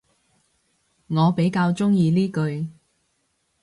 我比較鍾意呢句